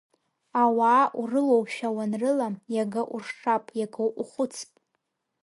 Ауаа урылоушәа уанрылам, иага уршап, иага ухәыцп.